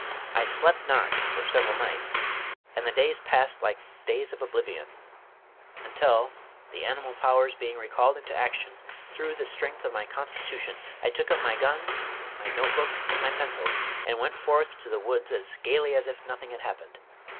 I slept not for several nights, and the days passed like days of oblivion; until, the animal powers being recalled into action through the strength of my constitution, I took up my gun, my note book, and my pencils, and went forth to the woods as gayly as if nothing had happened.